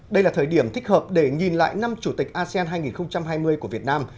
đây là thời điểm thích hợp để nhìn lại năm chủ tịch asean hai nghìn hai mươi của việt nam